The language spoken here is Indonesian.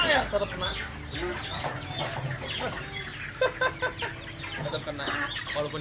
ayah tetap tenang